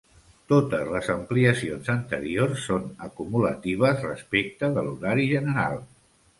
Totes les ampliacions anteriors són acumulatives respecte de l'horari general.